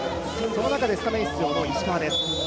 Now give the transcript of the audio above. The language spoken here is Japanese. その中でスタメン出場の石川です。